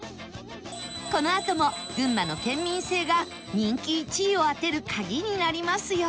このあとも群馬の県民性が人気１位を当てる鍵になりますよ